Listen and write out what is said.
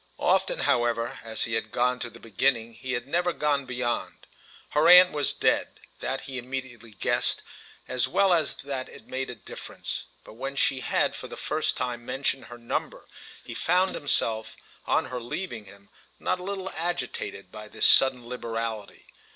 Often, however, as he had gone to the beginning he had never gone beyond. Her aunt was dead—that he immediately guessed, as well as that it made a difference; but when she had for the first time mentioned her number he found himself, on her leaving him, not a little agitated by this sudden liberality.